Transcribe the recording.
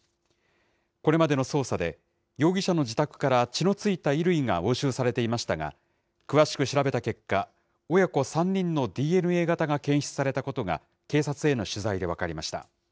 これまでの捜査で、容疑者の自宅から血の付いた衣類が押収されていましたが、詳しく調べた結果、親子３人のＤＮＡ型が検出されたことが警察への取材で分かりました。